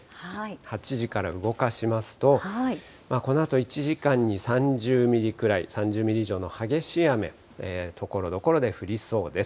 ８時から動かしますと、このあと１時間に３０ミリくらい、３０ミリ以上の激しい雨、ところどころで降りそうです。